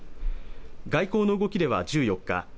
外交の動きでは１４日